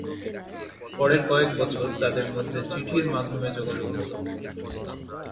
পরের কয়েক বছর তাদের মধ্যে চিঠির মাধ্যমে যোগাযোগ হত।